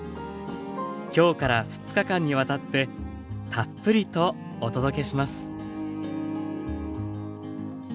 今日から２日間にわたってたっぷりとお届けします。